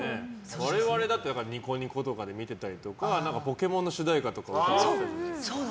我々だってニコニコとかで見てたりとか「ポケモン」の主題歌とかも歌われてたじゃないですか。